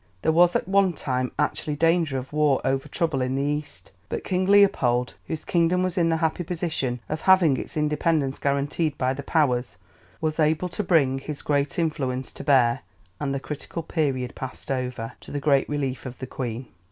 There was at one time actually danger of war over trouble in the East, but King Leopold, whose kingdom was in the happy position of having its independence guaranteed by the Powers, was able to bring his influence to bear, and the critical period passed over, to the great relief of the Queen.